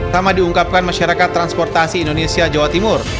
sama diungkapkan masyarakat transportasi indonesia jawa timur